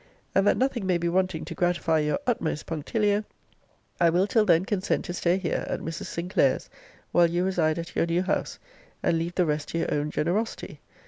And that nothing may be wanting to gratify your utmost punctilio, I will till then consent to stay here at Mrs. Sinclair's while you reside at your new house; and leave the rest to your own generosity.